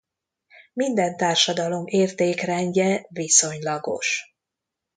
Minden társadalom értékrendje viszonylagos.